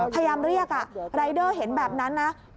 พยายามเรียกรายเดอร์เห็นแบบนั้นนะ